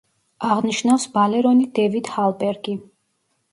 აღნიშნავს ბალერონი დევიდ ჰალბერგი.